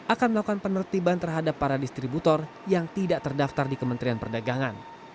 akan melakukan penertiban terhadap para distributor yang tidak terdaftar di kementerian perdagangan